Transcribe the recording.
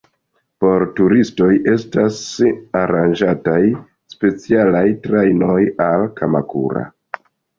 Por turistoj estas aranĝataj specialaj trajnoj al Kamakura.